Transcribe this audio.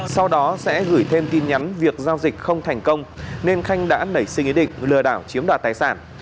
sau đó sẽ gửi thêm tin nhắn việc giao dịch không thành công nên khanh đã nảy sinh ý định lừa đảo chiếm đoạt tài sản